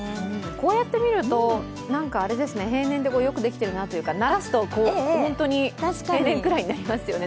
こうやって見ると、平年ってよくできてるなというかならすと本当に平年くらいになりますよね。